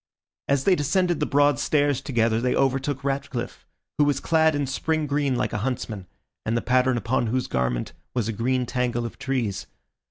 As they descended the broad stairs together they overtook Ratcliffe, who was clad in spring green like a huntsman, and the pattern upon whose garment was a green tangle of trees.